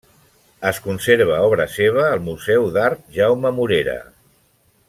Es conserva obra seva al Museu d'Art Jaume Morera.